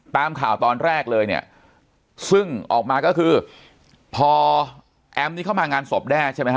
ตามข่าวตอนแรกเลยเนี่ยซึ่งออกมาก็คือพอแอมนี่เข้ามางานศพแด้ใช่ไหมฮ